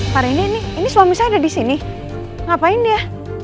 pak rendy ini suami saya ada disini ngapain dia